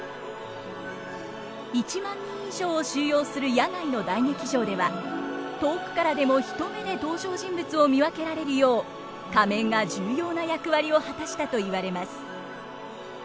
１万人以上を収容する野外の大劇場では遠くからでも一目で登場人物を見分けられるよう仮面が重要な役割を果たしたと言われます。